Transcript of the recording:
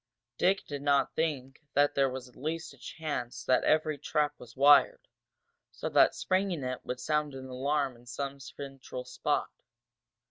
Dick did not think that there was at least a chance that every trap was wired, so that springing it would sound an alarm in some central spot.